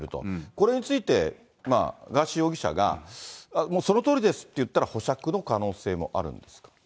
これについてガーシー容疑者が、そのとおりですって言ったら、保釈の可能性もあるんですか。